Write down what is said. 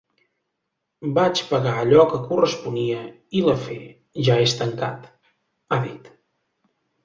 Vaig pagar allò que corresponia i l’afer ja és tancat, ha dit.